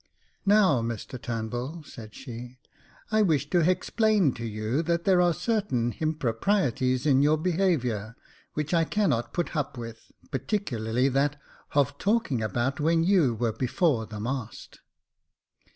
"Now, Mr Turnbull," said she, "I wish to Z»explain to you that there are certain ^improprieties in your behaviour which I cannot put /6up with, particularly that /^of talking about when you were before the mast."